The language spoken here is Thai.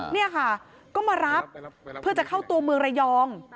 นี่ค่ะก็มารับเพื่อจะเข้าตัวเมืองระยอง